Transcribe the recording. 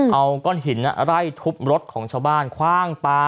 เอาก้อนหินไล่ทุบรถของชาวบ้านคว่างปลา